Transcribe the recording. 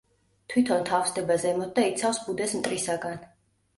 თვითონ თავსდება ზემოთ და იცავს ბუდეს მტრისაგან.